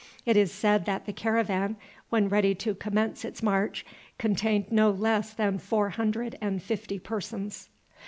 It is said that the caravan, when ready to commence its march, contained no less than four hundred and fifty persons.